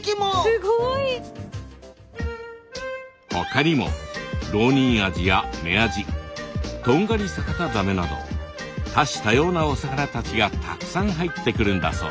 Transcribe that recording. すごい！ほかにもロウニンアジやメアジトンガリサカタザメなど多種多様なお魚たちがたくさん入ってくるんだそうです。